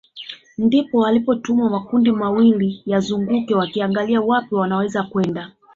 Ndipo walipowatuma makundi mawili yazunguke wakiangalia wapi wanaweza kwenda